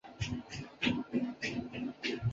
城隍庙大殿的历史年代为明代。